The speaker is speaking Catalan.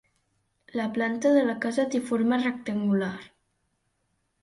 La planta de la casa té forma rectangular.